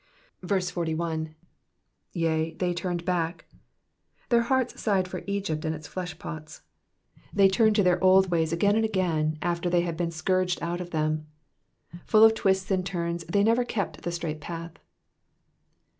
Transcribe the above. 41. J^w, they turned J/^." Their hearts sighed for Egypt and its fiesh pots. They turned t6 their old ways again and again, after they had been scourged out of them. Pull of twists and turns, they never kept the straight path.